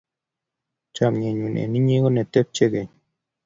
Chamyenyu eng inye ko netepche keny